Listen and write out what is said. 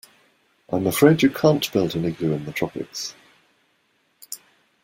I'm afraid you can't build an igloo in the tropics.